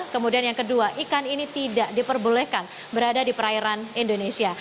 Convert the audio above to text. kemudian yang kedua ikan ini tidak diperbolehkan berada di perairan indonesia